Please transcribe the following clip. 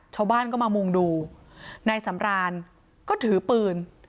ชาวบ้านก็มามุ่งดูนายสำรานก็ถือปืน